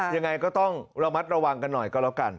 ยังไงก็ต้องระมัดระวังกันหน่อยก็แล้วกัน